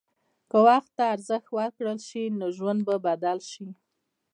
که وخت ته ارزښت ورکړل شي، نو ژوند به بدل شي.